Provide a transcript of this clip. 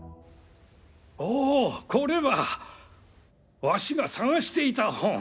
おおこれはワシが探していた本。